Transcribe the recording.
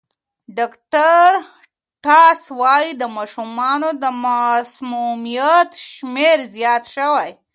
ډاکټر ټاس وايي د ماشومانو د مسمومیت شمېر زیات شوی.